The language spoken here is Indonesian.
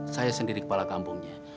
saya sendiri kepala kampungnya